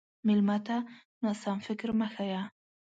مېلمه ته ناسم فکر مه ښیه.